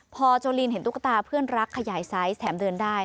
พอโจลินเห็นตุ๊กตาเพื่อนรักขยายไซส์แถมเดินได้